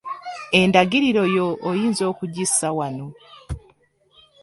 Endagiriro yo oyinza okugissa wano.